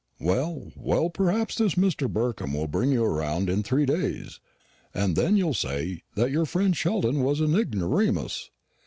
"Well, well, perhaps this Mr. Burkham will bring you round in three days, and then you'll say that your friend Sheldon was an ignoramus."